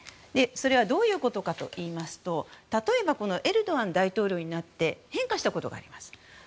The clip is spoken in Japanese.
それはどういうことかといいますと例えばエルドアン大統領になって変化したことがあります。